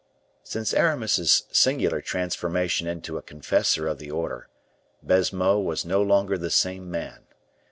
Since Aramis's singular transformation into a confessor of the order, Baisemeaux was no longer the same man.